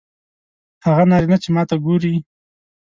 هغه نارینه چې ماته ګوري